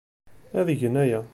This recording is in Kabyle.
Ad gen aya.